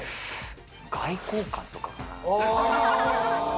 外交官とかかな？